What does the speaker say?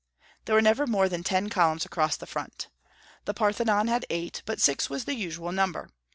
There were never more than ten columns across the front. The Parthenon had eight, but six was the usual number.